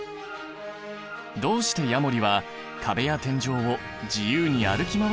どうしてヤモリは壁や天井を自由に歩き回ることができるのか。